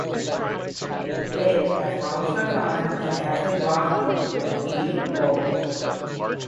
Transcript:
It has Ramsha Khan and Affan Waheed in lead roles.